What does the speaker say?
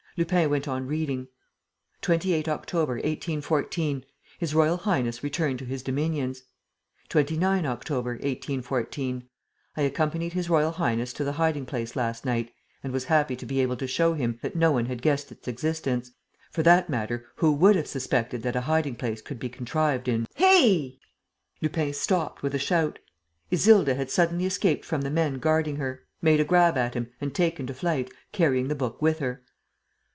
Lupin went on reading: "28 October, 1814. His Royal Highness returned to his dominions. "29 October, 1814. I accompanied His Royal Highness to the hiding place last night and was happy to be able to show him that no one had guessed its existence. For that matter, who would have suspected that a hiding place could be contrived in ..." Lupin stopped, with a shout. Isilda had suddenly escaped from the men guarding her, made a grab at him and taken to flight, carrying the book with her.